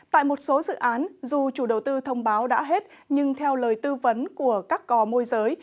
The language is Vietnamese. tại một số dự án dù chủ đầu tư thông báo đã hết nhưng theo lời tư vấn của các cò môi giới